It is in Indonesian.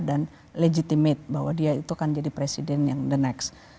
dan legitimate bahwa dia itu kan jadi presiden yang the next